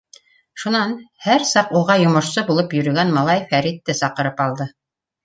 Шунан һәр саҡ уға йомошсо булып йөрөгән малай Фәритте саҡырып алды.